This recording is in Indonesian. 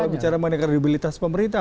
kita bicara mengenai kredibilitas pemerintah